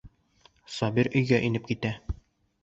Сабир өйгә инеп китә.